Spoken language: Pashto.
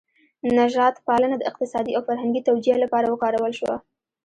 نژاد پالنه د اقتصادي او فرهنګي توجیه لپاره وکارول شوه.